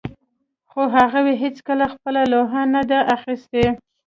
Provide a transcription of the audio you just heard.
خو هغوی هیڅکله خپله لوحه نه ده اخیستې